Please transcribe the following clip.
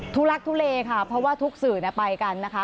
ทักทุเลค่ะเพราะว่าทุกสื่อไปกันนะคะ